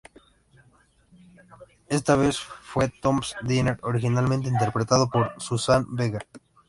Esta vez fue "Tom's Diner", originalmente interpretado por Suzanne Vega.